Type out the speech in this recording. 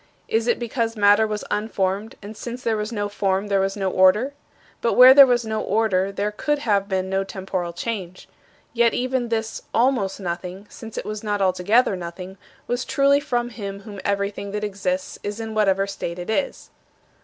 Is it because matter was unformed, and since there was no form there was no order? But where there was no order there could have been no temporal change. Yet even this 'almost nothing,' since it was not altogether nothing, was truly from him from whom everything that exists is in whatever state it is."